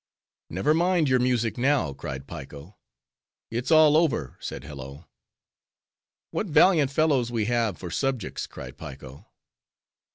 "Never mind your music now," cried Piko. "It's all over," said Hello. "What valiant fellows we have for subjects," cried Piko.